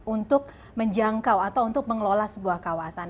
untuk menjangkau atau untuk mengelola sebuah kawasan